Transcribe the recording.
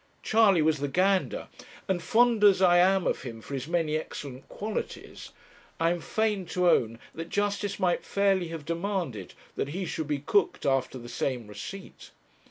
Charley was the gander, and fond as I am of him for his many excellent qualities, I am fain to own that justice might fairly have demanded that he should be cooked after the same receipt.